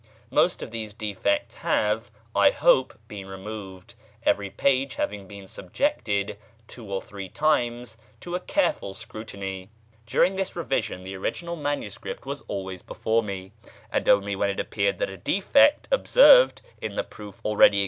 Most of these defects have, I hope, been removed, every page having been subjected two or three times to a careful scrutiny. During this revision the original MS. was always before me, and only when it appeared that a defect observed in the proof already existed there has it been left untouched.